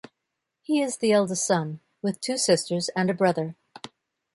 He is the eldest son, with two sisters and a brother.